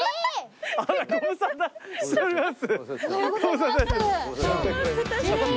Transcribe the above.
あらご無沙汰しております。